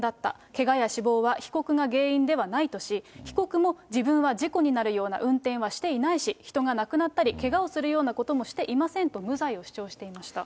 けがや死亡は、被告が原因ではないとし、被告も、自分は事故になるような運転はしていないし、人が亡くなったり、けがをするようなこともしていませんと無罪を主張していました。